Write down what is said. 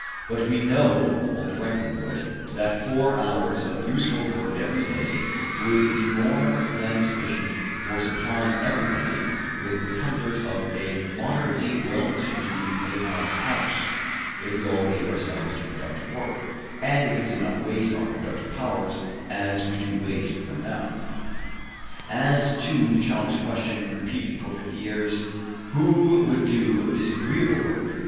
But we know old Franklin knew it that four hours of useful work every day would be more than sufficient for supplying everybody with the comfort of a moderately well to do middle class house, if we all gave ourselves to productive work, and if we did not waste our productive powers as we do waste them now. As to the childish question, repeated for fifty years: `Who would do disagreeable work?'